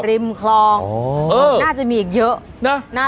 เหมือนอาจจะมีอีกเยอะ